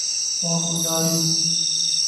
واگذاری